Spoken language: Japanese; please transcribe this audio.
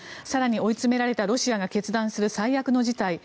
更に追い詰められたロシアが決断する最悪の事態